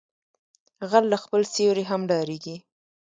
غل له خپل سيوري هم ډاریږي